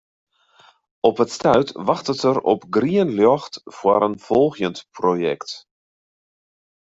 Op it stuit wachtet er op grien ljocht foar in folgjend projekt.